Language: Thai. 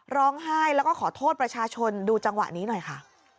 ร้องไห้แล้วก็ขอโทษประชาชนดูจังหวะนี้หน่อยค่ะ